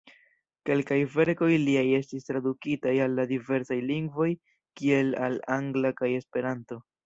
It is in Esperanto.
Kelkaj verkoj liaj estis tradukitaj al diversaj lingvoj, kiel al angla kaj Esperanto.